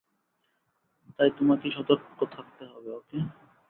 তাই তোমাকেই সতর্ক থাকতে হবে, ওকে?